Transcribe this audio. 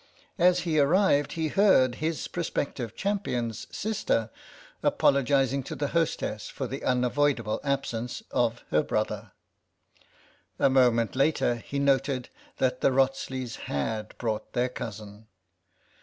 As he arrived he heard his pro spective champion's sister apologising to the hostess for the unavoidable absence of her brother; a moment later he noted that the Wrotsleys had brought their cousin.